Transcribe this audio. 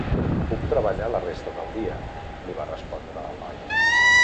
"Puc treballar la resta del dia", li va respondre el noi.